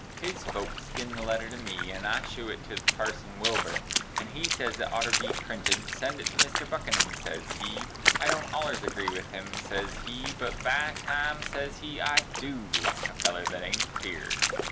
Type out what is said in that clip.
His Folks gin the letter to me and I shew it to parson Wilbur and he ses it oughter Bee printed, send It to mister Buckinum, ses he, i don't ollers agree with him, ses he, but by Time, ses he, I du like a feller that ain't a Feared.